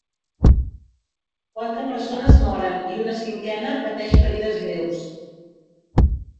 Quatre persones moren i una cinquena pateix ferides greus.